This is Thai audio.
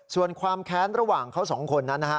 ส่วนความแค้นระหว่างเขาสองคนนั้นนะฮะ